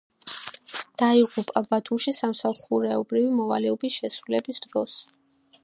დაიღუპა ბათუმში სამსახურეობრივი მოვალეობის შესრულების დროს.